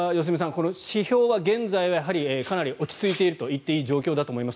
この指標は現在はかなり落ち着いているといっていい状況だと思います。